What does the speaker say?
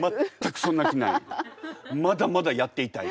まだまだやっていたい。